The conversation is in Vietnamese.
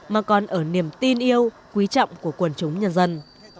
mà còn ở niềm tin yêu quý trọng của quần chúng nhân dân